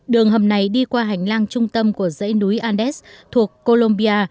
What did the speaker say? đường hầm này đi qua hành lang trung tâm của dãy núi andes thuộc colombia